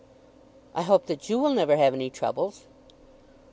"I hope that you will never have any troubles."